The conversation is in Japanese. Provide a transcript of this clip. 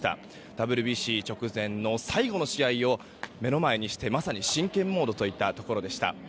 ＷＢＣ直前の最後の試合を目の前にしてまさに真剣モードといったところでした。